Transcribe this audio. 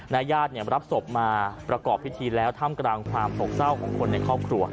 ญาติรับศพมาประกอบพิธีแล้วท่ามกลางความโศกเศร้าของคนในครอบครัว